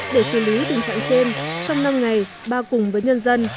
để xử lý tình trạng trên trong năm ngày ba cùng với nhân dân